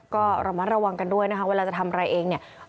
ก็ระมัดระวังกันด้วยนะคะเวลาจะทำอะไรเองเนี่ย